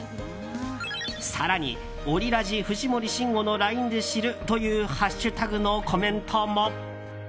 更にオリラジ藤森慎吾のＬＩＮＥで知るというハッシュタグのコメントも。